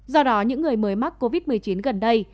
do đó những người mới mắc covid một mươi chín gần đây